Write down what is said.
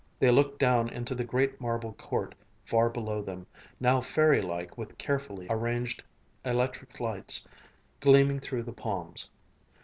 They looked down into the great marble court, far below them, now fairy like with carefully arranged electric lights, gleaming through the palms.